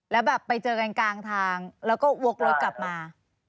แล้วแบบไปเจอกันกลางทางแล้วก็วกรถกลับมา